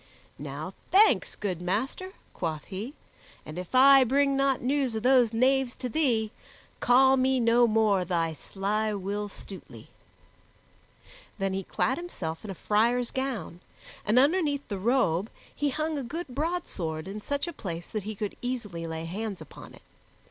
"Now thanks, good master," quoth he, "and if I bring not news of those knaves to thee, call me no more thy sly Will Stutely." Then he clad himself in a friar's gown, and underneath the robe he hung a good broadsword in such a place that he could easily lay hands upon it.